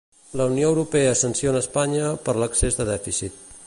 La Unió Europea sanciona Espanya per l'excés de dèficit.